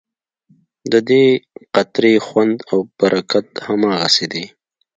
ددې قطرې خوند او برکت هماغسې دی.